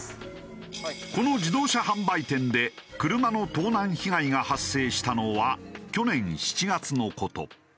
この自動車販売店で車の盗難被害が発生したのは去年７月の事。